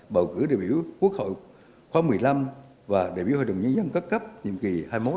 bầu cử đề biểu quốc hội khoa một mươi năm và đề biểu hội đồng nhân dân cấp cấp nhiệm kỳ hai mươi một hai nghìn hai mươi sáu